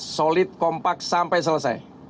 solid kompak sampai selesai